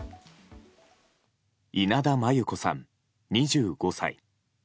稲田真優子さん、２５歳。